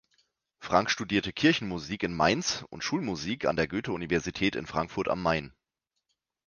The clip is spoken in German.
Frank studierte Kirchenmusik in Mainz und Schulmusik an der Goethe-Universität in Frankfurt am Main.